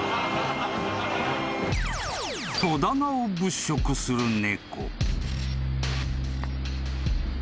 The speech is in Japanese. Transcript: ［戸棚を物色する猫］